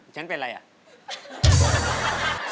ฉันเป็นอะไรอ่ะ